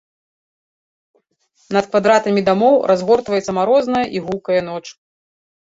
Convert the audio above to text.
Над квадратамі дамоў разгортваецца марозная і гулкая ноч.